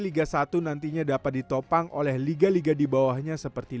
selain itu ia berharap kompetisi liga satu nantinya dapat ditopang oleh liga liga di bawahnya seperti ini